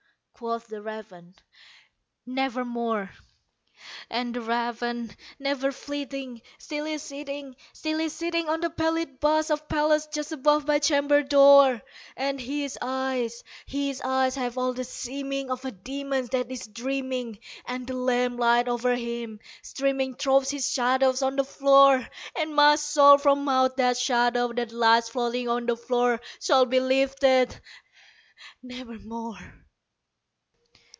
Quoth the raven, "Nevermore." And the raven, never flitting, still is sitting, still is sitting On the pallid bust of Pallas just above my chamber door; And his eyes have all the seeming of a demon's that is dreaming, And the lamp light o'er him streaming throws his shadow on the floor; And my soul from out that shadow that lies floating on the floor Shall be lifted nevermore.